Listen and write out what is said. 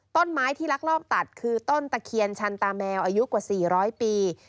ต้นไม้ที่ลักลอบตัดคือต้นตะเคียนชันตาแมวอายุกว่า๔๐๐ปี